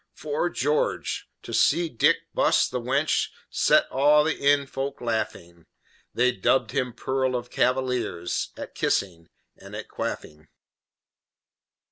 'Fore George! To see Dick buss the wench Set all the inn folk laughing! They dubbed him pearl of cavaliers At kissing and at quaffing.